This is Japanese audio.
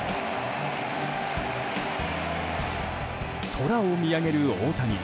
空を見上げる大谷。